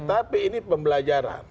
tapi ini pembelajaran